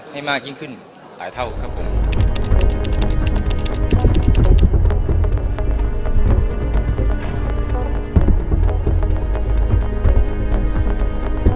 มีการที่จะพยายามติดศิลป์บ่นเจ้าพระงานนะครับ